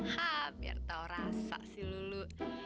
hah biar tau rasa sih lo lo